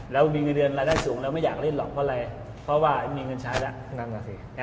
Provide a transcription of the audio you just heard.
แล้วมีเงินเดือนรายได้สูงแล้วไม่อยากเล่นหรอกเพราะอะไรเพราะว่ามีเงินชาติละ